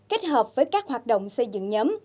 kết hợp với các hoạt động xây dựng nhóm